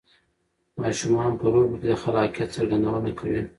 ماشومان په لوبو کې د خلاقیت څرګندونه کوي.